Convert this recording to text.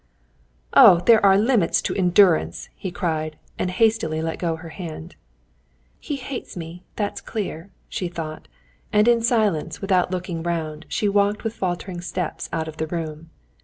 "Oh, there are limits to endurance!" he cried, and hastily let go her hand. "He hates me, that's clear," she thought, and in silence, without looking round, she walked with faltering steps out of the room.